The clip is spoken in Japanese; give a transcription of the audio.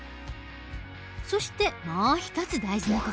そしてもう一つ大事な事。